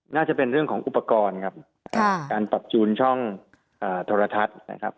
น่าจะเป็นเรื่องของอุปกรณ์ครับการปรับจูนช่องโทรทัศน์นะครับ